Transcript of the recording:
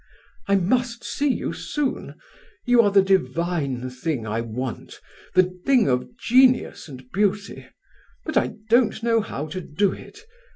I must see you soon. You are the divine thing I want, the thing of genius and beauty; but I don't know how to do it.